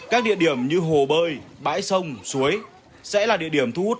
các địa điểm như hồ bơi bãi sông suối sẽ là địa điểm thu hút